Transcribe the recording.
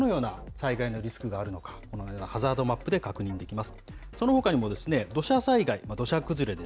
ですので、お近くの地域でどのような災害のリスクがあるのか、このようなハザードマップで確認できます。